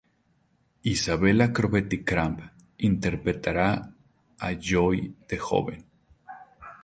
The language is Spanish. Isabella Crovetti-Cramp interpretara a Joy de joven.